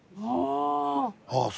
ああ！